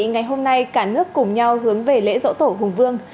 ngày hôm nay cả nước cùng nhau hướng về lễ dỗ tổ hùng vương